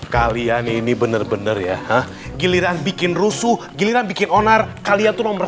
kalian ini bener bener ya giliran bikin rusuh giliran bikin onar kalian tuh nomor